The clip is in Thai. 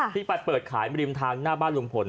ที่ไปเปิดขายริมทางหน้าบ้านลุงพล